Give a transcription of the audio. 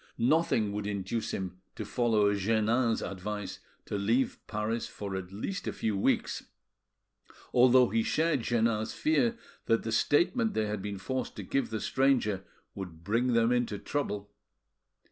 Nothing would induce him to follow Jeannin's advice to leave Paris for at least a few weeks, although he shared Jeannin's fear that the statement they had been forced to give the stranger would bring them into trouble.